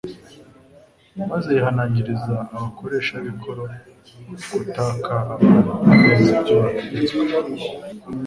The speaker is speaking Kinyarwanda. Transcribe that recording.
Maze yihanangiriza abakoresha b'ikoro kutaka abantu ibirenze ibyo bategetswe,